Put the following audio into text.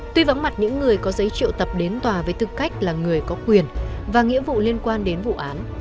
tuy vắng mặt những người có giấy triệu tập đến tòa với tư cách là người có quyền và nghĩa vụ liên quan đến vụ án